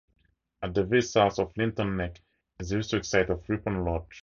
At the very south of Linton Neck is the historic site of Rippon Lodge.